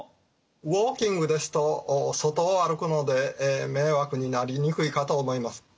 ウォーキングですと外を歩くので迷惑になりにくいかと思います。